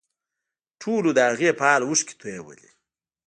ټولو د هغې په حال اوښکې تویولې